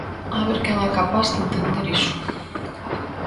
A ver quen é capaz de entender iso.